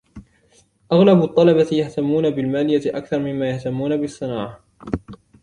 أغلب الطلبة يهتمون بالمالية أكثر مما يهتمون بالصناعة.